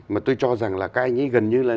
mà tôi cho rằng là các anh ấy gần như là